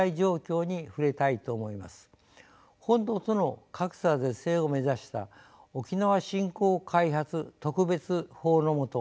本土との格差是正を目指した沖縄振興開発特別法の下